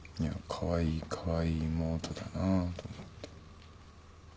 かわいいかわいい妹だなあと思って。